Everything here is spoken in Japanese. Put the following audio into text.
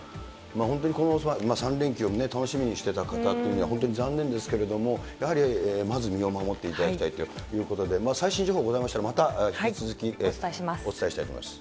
本当にこの３連休を楽しみにしていた方には本当に残念ですけれども、やはりまず身を守っていただきたいということで、最新情報ございましたらまた引き続きお伝えしたいと思います。